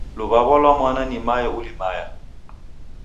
Luwawo lwa mwana ni mae ulimaya.